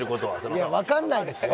いやわかんないですよ。